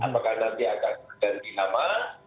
apakah nanti akan ganti nama